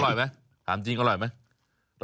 อร่อยไหมถามจริงอร่อยไหม